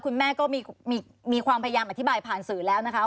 คุณแม่ก็มีความพยายามอธิบายผ่านสื่อแล้วนะคะ